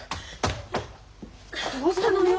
どうしたのよ。